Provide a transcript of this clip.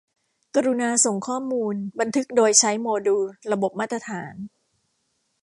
กรุณาส่งข้อมูลบันทึกโดยใช้โมดูลระบบมาตรฐาน